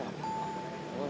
gue udah bilang